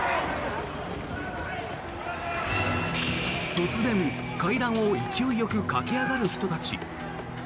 突然、階段を勢いよく駆け上がる人たち。